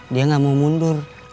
dia gak mau mundur ya